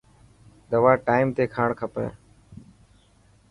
دوا ٽائيم تي کاڻ کپي.